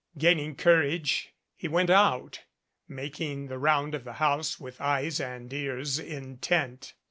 Gain ing courage, he went out, making the round of the house with eyes and ears intent.